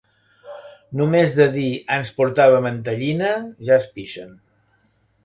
Només de dir «ans portava mantellina» ja es pixen.